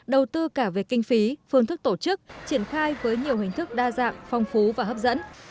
đầu tư cả về kinh phí phương thức tổ chức triển khai với nhiều hình thức đa dạng phong phú và hấp dẫn